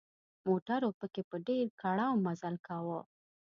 موټرو پکې په ډېر کړاو مزل کاوه.